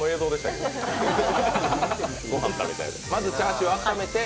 まずチャーシューを温めて。